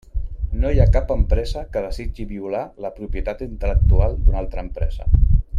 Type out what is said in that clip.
No hi ha cap empresa que desitgi violar la propietat intel·lectual d'una altra empresa.